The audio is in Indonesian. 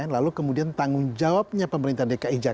lalu kemudian tanggung jawabnya pemerintah dki jakarta itu adalah